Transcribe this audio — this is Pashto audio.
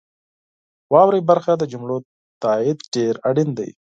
واورئ برخه د جملو تایید ډیر اړین دی.